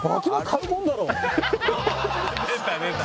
「出た出た！」